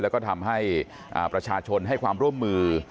แล้วก็ทำให้ประชาชนให้ความร่วมมือ